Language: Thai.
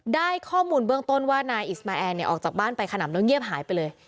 ได้ข้อมูลเบื้องต้นว่านายอิสมาแอนเนี่ยออกจากบ้านไปขนำแล้วเงียบหายไปเลย